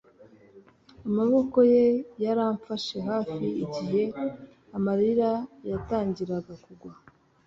amaboko ye yaramfashe hafi igihe amarira yatangiraga kugwa.